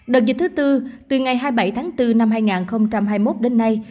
đợt dịch thứ tư từ ngày hai mươi bảy tháng bốn năm hai nghìn hai mươi một đến nay